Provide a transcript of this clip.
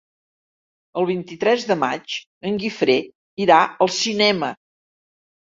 El vint-i-tres de maig en Guifré irà al cinema.